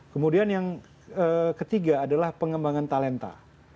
kemudian yang ketiga adalah pengembangan talenta